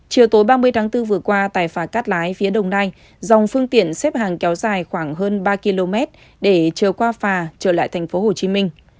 chiều tối ba mươi tháng bốn vừa qua tại phà cắt lái phía đồng nai dòng phương tiện xếp hàng kéo dài khoảng hơn ba km để chờ qua phà trở lại thành phố hồ chí minh